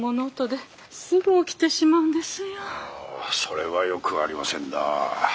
あそれはよくありませんな。